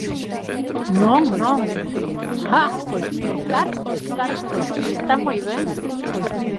Non, non, ¡ah! cartos, cartos, está moi ben.